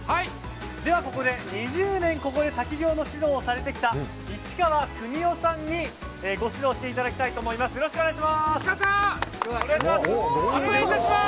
２０年ここで滝行の指導をされてきた市川邦雄さんにご指導していただきたいと思います。